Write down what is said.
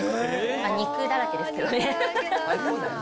肉だらけですけどね。